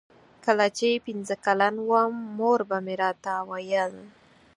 کله چې پنځه کلن وم مور به مې راته ویل.